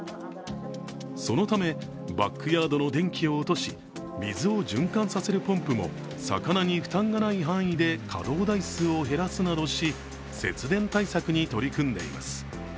そのため、バックヤードの電気を落とし水を循環させるポンプも魚に負担がない範囲で稼働台数を減らすなどし、節電対策に取り組んでいます。